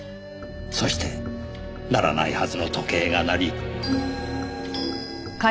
そして鳴らないはずの時計が鳴り。